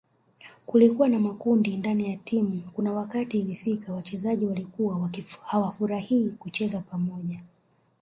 Kulikuwa na makundi ndani ya timu kuna wakati ilifika wachezaji walikuwa hawafurahii kucheza pamoja